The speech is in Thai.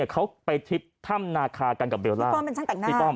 เขาไปทริปถ้ำนาคากันกับเบลล่าพี่ป้อมเป็นชั้นแต่งหน้า